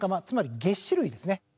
つまり齧歯類ですね。